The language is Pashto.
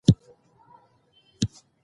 آیا ستاسو په ښوونځي کې انټرنیټ شته؟